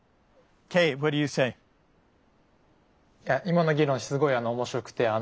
今の議論すごい面白くて。